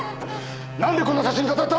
なんでこんな写真飾った！